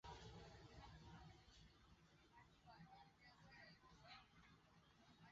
এই ধারাবাহিকের লেখকদের মধ্যে ছিলেন McGovern, Danny Brocklehurst, Alice Nutter ও শন ডুগান।